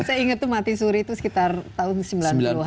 saya ingat itu mati suri itu sekitar tahun sembilan puluh an